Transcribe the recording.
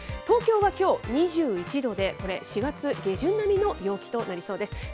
東京はきょう、２１度でこれ、４月下旬並みの陽気となりそうです。